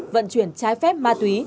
vận chuyển trái phép ma túy